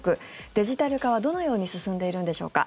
デジタル化はどのように進んでいるんでしょうか。